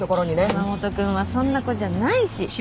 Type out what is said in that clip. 山本君はそんな子じゃないし。